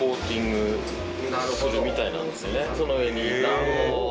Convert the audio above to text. その上に卵黄を。